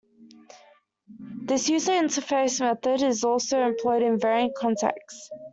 This user interface method is also employed in varying contexts.